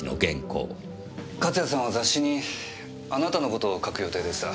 勝谷さんは雑誌にあなたの事を書く予定でした。